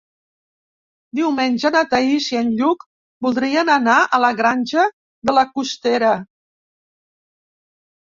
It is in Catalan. Diumenge na Thaís i en Lluc voldrien anar a la Granja de la Costera.